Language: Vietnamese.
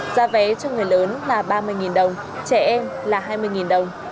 giá vé cho người lớn là ba mươi đồng trẻ em là hai mươi đồng